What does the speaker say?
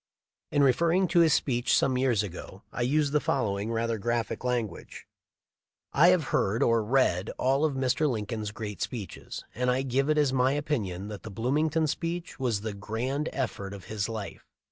In referring to this speech some years ago I used the following rather graphic language : "I have heard or read all of Mr. Lincoln's great speeches, and I give it as my opinion that the Bloomington speech was the grand effort of this life.